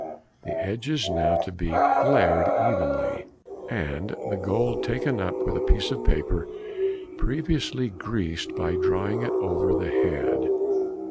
The edge is now to be glaired evenly, and the gold taken up with a piece of paper previously greased by drawing it over the head.